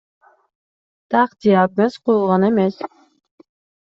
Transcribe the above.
Так диагноз коюлган эмес.